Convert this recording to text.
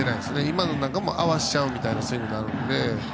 今のも合わせちゃうみたいなスイングなので。